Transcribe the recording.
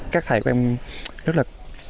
các thầy của em rất là